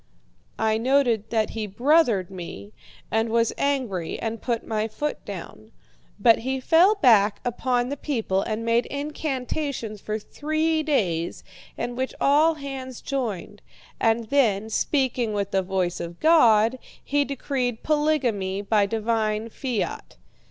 "I noted that he 'brothered' me, and was angry and put my foot down. But he fell back upon the people and made incantations for three days, in which all hands joined; and then, speaking with the voice of God, he decreed polygamy by divine fiat.